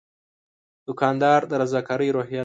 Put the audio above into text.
دوکاندار د رضاکارۍ روحیه لري.